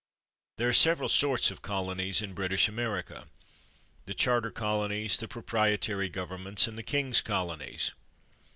There are several sorts of colonies in British America: the charter colonies, the pro prietary governments, and the king's colonies.